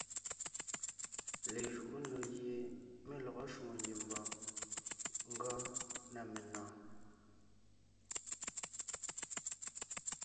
Lejuʼú nò gie mé lɔgɔ shwòŋo ngiembɔɔn gɔɔn na menɔ̀ɔn.